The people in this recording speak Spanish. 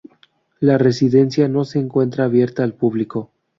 La residencia no se encuentra abierta al público.